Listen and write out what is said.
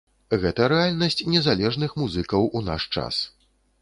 Гэта рэальнасць незалежных музыкаў у наш час.